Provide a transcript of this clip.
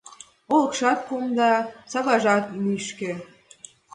Олыкшат кумда, саважат нӱшкӧ